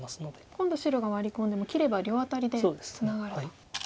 今度白がワリ込んでも切れば両アタリでツナがると。